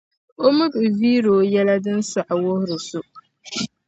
O mi bi viiri O yɛli shɛŋa din sɔɣi n-wuhiri so.